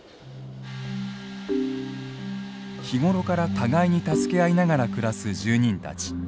日頃から互いに助け合いながら暮らす住人たち。